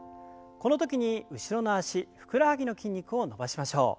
この時に後ろの脚ふくらはぎの筋肉を伸ばしましょう。